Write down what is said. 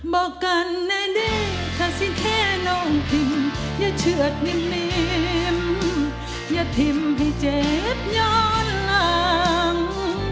บอกกันแน่ถ้าสินแค่น้องทิมอย่าเชื่อดนิ่มอย่าทิ้มให้เจ็บย้อนหลัง